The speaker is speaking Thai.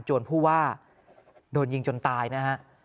จวนผู้ว่าโดนยิงจนตายนะครับ